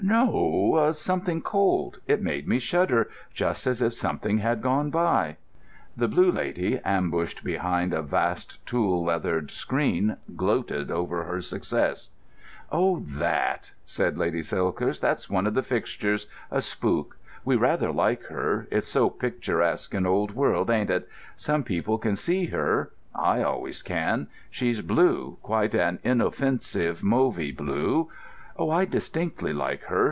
"No—something cold: it made me shudder, just as if something had gone by." The Blue Lady, ambushed behind a vast tooled leather screen, gloated over her success. "Oh, that!" said Lady Silthirsk: "that's one of the fixtures—a spook. We rather like her—it's so picturesque and old world, ain't it? Some people can see her—I always can. She's blue—quite an inoffensive mauvy blue. Oh, I distinctly like her.